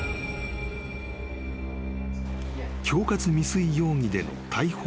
［恐喝未遂容疑での逮捕前］